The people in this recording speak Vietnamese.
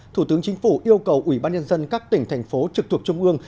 thủ tướng chính phủ yêu cầu ủy ban nhân dân các tỉnh thành phố trực thuộc trung ương